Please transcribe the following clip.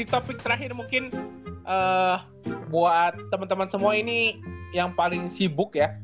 topik terakhir mungkin buat teman teman semua ini yang paling sibuk ya